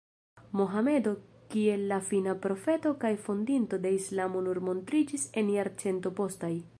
Mohamedo kiel la fina profeto kaj fondinto de islamo nur montriĝis en jarcentoj postaj.